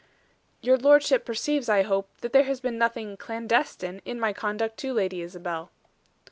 "Your lordship perceives, I hope, that there has been nothing 'clandestine' in my conduct to Lady Isabel."